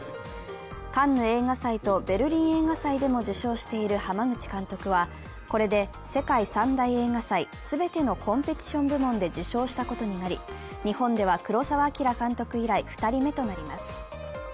カンヌ映画祭とベルリン映画祭でも受賞している濱口監督はこれで世界三大映画祭全てのコンペティション部門で受賞したことになり、日本では黒澤明監督以来２人目となります。